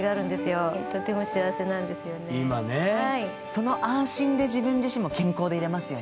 その安心で自分自身も健康でいれますよね。